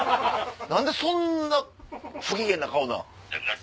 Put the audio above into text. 何でそんな不機嫌な顔なん？